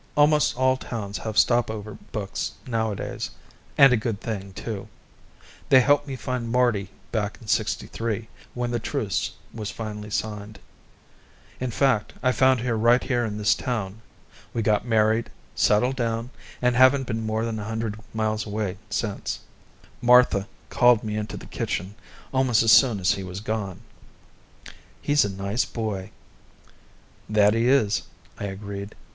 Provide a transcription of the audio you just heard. Almost all towns have stopover books nowadays, and a good thing, too. They helped me find Marty back in '63, when the truce was finally signed. In fact, I found her right here in this town. We got married, settled down, and haven't been more than a hundred miles away since then. Martha called me into the kitchen almost as soon as he was gone. "He's a nice boy." "That he is," I agreed.